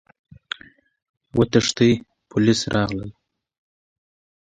وتښتئ! پوليس راغلل!